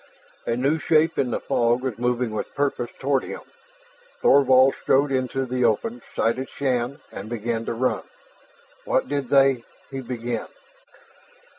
A new shape in the fog was moving with purpose toward him. Thorvald strode into the open, sighted Shann, and began to run. "What did they ?" he began.